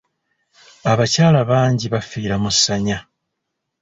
Abakyala bangi baafiira mu ssanya.